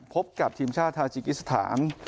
พบกับทีมชาติทาจิกิสถาน